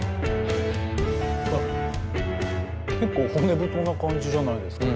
結構骨太な感じじゃないですか。